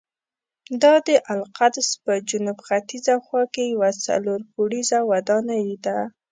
دا د القدس په جنوب ختیځه خوا کې یوه څلور پوړیزه ودانۍ ده.